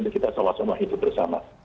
kita sama sama hidup bersama